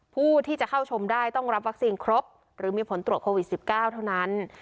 ผู้ที่จะเข้าชมได้ต้องรับวัคซีนครบหรือมีผลตรวจโควิด๑๙เท่านั้น